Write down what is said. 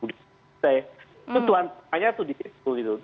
itu tujuannya itu di sekolah itu